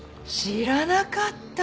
知らなかった。